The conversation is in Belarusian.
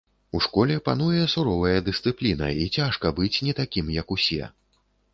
У школе пануе суровая дысцыпліна і цяжка быць не такім, як усе.